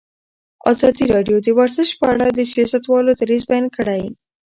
ازادي راډیو د ورزش په اړه د سیاستوالو دریځ بیان کړی.